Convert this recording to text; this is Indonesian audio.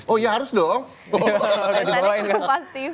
oh ya harus dong